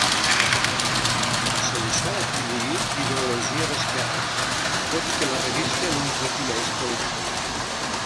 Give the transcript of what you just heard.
Se li sol atribuir ideologia d'esquerres, tot i que la revista no es defineix políticament.